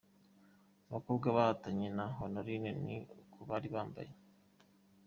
Abakobwa bahatanye na Honorine ni uku bari bambaye